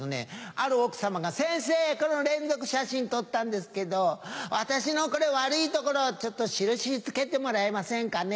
ある奥様が「先生この連続写真撮ったんですけど私のこれ悪いところちょっと印付けてもらえませんかね」